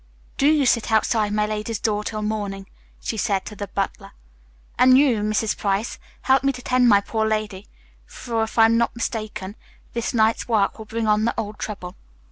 "Do you sit outside my lady's door till morning," she said to the butler, "and you, Mrs. Price, help me to tend my poor lady, for if I'm not mistaken this night's work will bring on the old trouble."